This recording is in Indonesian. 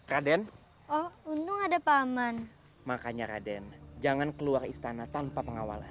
raden oh untung ada paman makanya raden jangan keluar istana tanpa pengawalan